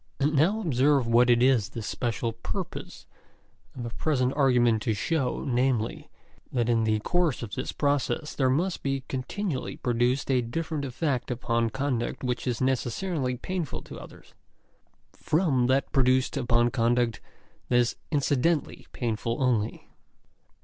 And now observe what it is the special purpose of the present argument to show, namely, that in the course of this process there must be continually produced a different effect upon conduct which is necessarily painful to others, from that produced upon conduct that is incidentally painful only.